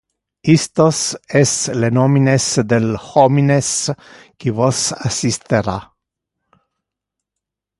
Istos es le nomines del homines qui vos assistera.